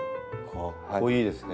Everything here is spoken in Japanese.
かっこいいですね。